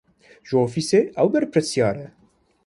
Ji ofîsê ew berpirsiyar e.